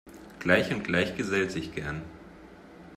Gleich und Gleich gesellt sich gern.